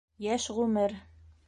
Йәш ғүмер